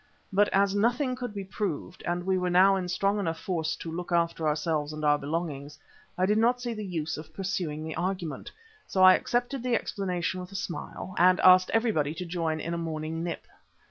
But as nothing could be proved, and we were now in strong enough force to look after ourselves and our belongings, I did not see the use of pursuing the argument. So I accepted the explanation with a smile, and asked everybody to join in a morning nip.